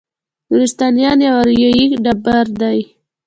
نورستانیان یو اریایي ټبر دی.